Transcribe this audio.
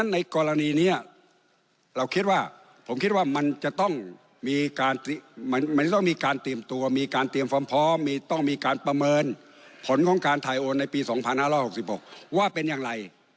ในกรณีนี้เราคิดว่าผมคิดว่ามันจะต้องมีการมันจะต้องมีการเตรียมตัวมีการเตรียมความพร้อมต้องมีการประเมินผลของการถ่ายโอนในปี๒๕๖๖ว่าเป็นอย่างไร